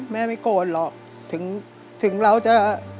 ไม่โกรธหรอกถึงเราจะ